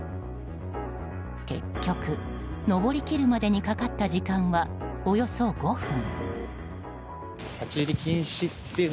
結局登りきるまでにかかった時間はおよそ５分。